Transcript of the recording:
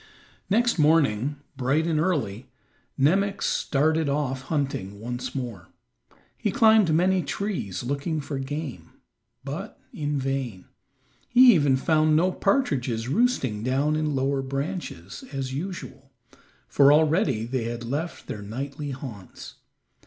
Next morning, bright and early, Nemox started off hunting once more. He climbed many trees looking for game, but in vain; he even found no partridges roosting down in lower branches, as usual, for already they had left their nightly haunts.